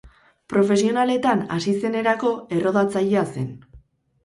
Profesionaletan hasi zenerako errodatzailea zen.